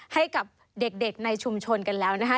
ให้กับเด็กในชุมชนกันแล้วนะคะ